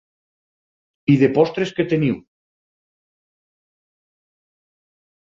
I de postres que teniu?